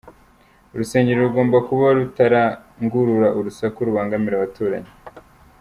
Urusengero rugomba kuba rutarangurura urusaku rubangamira abaturanyi.